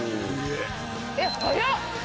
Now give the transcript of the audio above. えっ早っ。